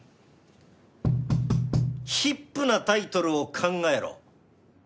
ヒップなタイトルを考えろ。